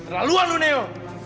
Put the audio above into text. raluan lo neo